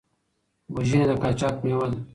وژنې د قاچاق مېوه ده.